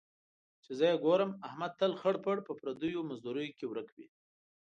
چې زه یې ګورم، احمد تل خړ پړ په پردیو مزدوریو کې ورک وي.